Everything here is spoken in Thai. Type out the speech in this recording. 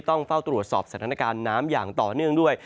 ต้องเฝ้าตรวจสอบสถานการณ์น้ำอย่างต่อเนื่องด้วย